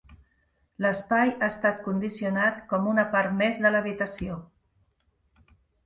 L'espai ha estat condicionat com una part més de l'habitació.